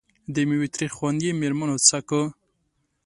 د میوې تریخ خوند یې مېرمنو څکه.